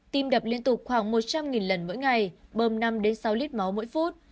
tim đập liên tục khoảng một trăm linh lần mỗi ngày bơm năm sáu lít máu mỗi phút